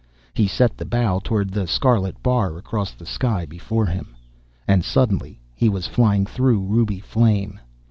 He set the bow toward the scarlet bar across the sky before him. And suddenly he was flying through ruby flame.